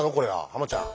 ハマちゃん。